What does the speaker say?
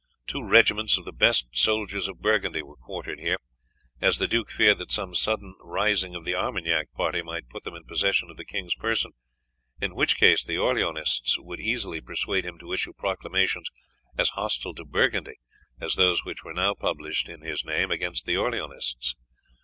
Two regiments of the best soldiers of Burgundy were quartered here, as the duke feared that some sudden rising of the Armagnac party might put them in possession of the king's person, in which case the Orleanists would easily persuade him to issue proclamations as hostile to Burgundy as those which were now published in his name against the Orleanists.